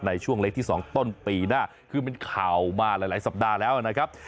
ในช่วงเลขที่๒ต้นปีหน้าคือเป็นข่าวมาหลายสัปดาห์แล้วนะครับ